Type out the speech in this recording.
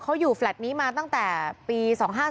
เขาอยู่แฟลต์นี้มาตั้งแต่ปี๒๕๔